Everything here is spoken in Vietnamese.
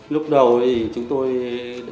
lúc đầu chúng tôi